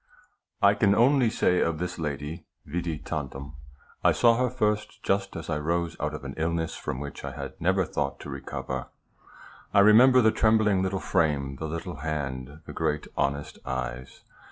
I can only say of this lady, vidi tantum. I saw her first just as I rose out of an illness from which I had never thought to recover. I remember the trembling little frame, the little hand, the great honest eyes.